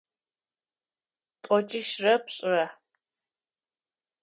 Тӏокӏищырэ пшӏырэ.